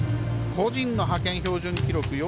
個人の派遣標準記録